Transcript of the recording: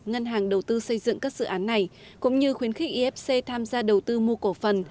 ngân hàng đầu tư xây dựng các dự án này cũng như khuyến khích ifc tham gia đầu tư mua cổ phần